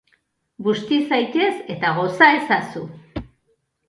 Busti zaitez eta goza ezazu!